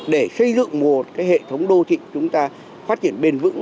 để xây dựng một hệ thống đô thị chúng ta phát triển bền vững